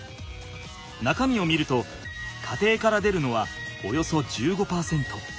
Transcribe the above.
中身を見ると家庭から出るのはおよそ１５％。